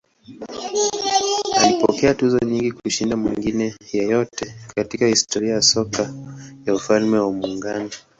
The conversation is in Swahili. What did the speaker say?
Alipokea tuzo nyingi kushinda mwingine yeyote katika historia ya soka ya Ufalme wa Muungano.